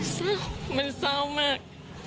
เศร้ามันเศร้ามาก